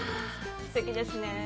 すてきですね。